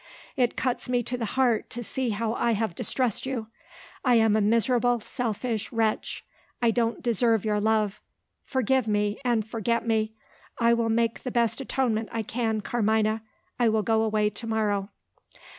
It cuts me to the heart to see how I have distressed you. I am a miserable selfish wretch; I don't deserve your love. Forgive me, and forget me. I will make the best atonement I can, Carmina. I will go away to morrow."